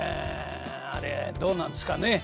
あれどうなんすかね。